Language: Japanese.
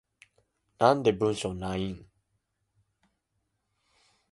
なんで文章ないん？